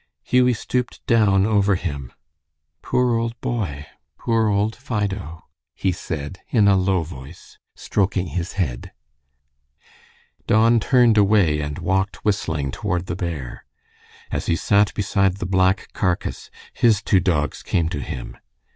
Hughie stooped down over him. "Poor old boy, poor old Fido," he said, in a low voice, stroking his head. Don turned away and walked whistling toward the bear. As he sat beside the black carcass his two dogs came to him.